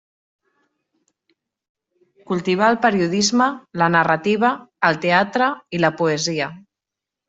Cultivà el periodisme, la narrativa, el teatre i la poesia.